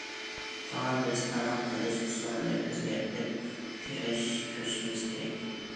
شۇڭا بىز تاماق قىلىش ئۇسۇلىنى ئۆزگەرتىپ كۆرۈشىمىز كېرەك.